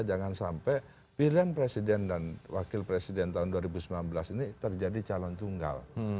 jangan sampai pilihan presiden dan wakil presiden tahun dua ribu sembilan belas ini terjadi calon tunggal